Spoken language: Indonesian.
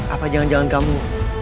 apa jangan jangan kamu